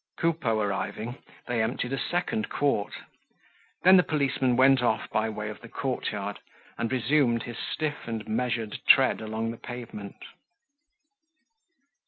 Coupeau arriving, they emptied a second quart. Then the policeman went off by way of the courtyard and resumed his stiff and measured tread along the pavement.